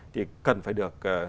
thì cần phải được